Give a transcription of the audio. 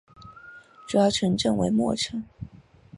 主要城镇为莫城。